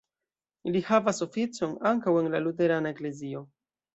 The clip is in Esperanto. Li havas oficon ankaŭ en la luterana eklezio.